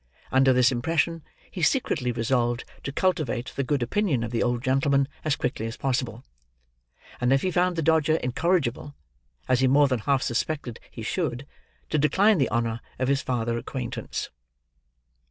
Under this impression, he secretly resolved to cultivate the good opinion of the old gentleman as quickly as possible; and, if he found the Dodger incorrigible, as he more than half suspected he should, to decline the honour of his farther acquaintance.